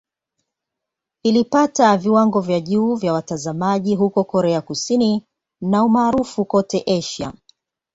Ilipata viwango vya juu vya watazamaji huko Korea Kusini na umaarufu kote Asia.